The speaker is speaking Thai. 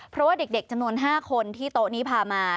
เพราะว่าเด็กจำนวน๕คนที่โต๊ะนี้พามา